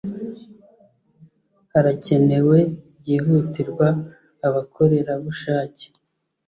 harakenewe byihutirwa abakorerabushake